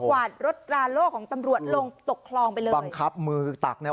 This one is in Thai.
วาดรถตราโล่ของตำรวจลงตกคลองไปเลยบังคับมือตักเนี่ย